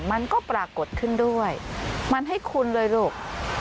มันก็ปรากฏขึ้นด้วยมันให้คุณเลยลูก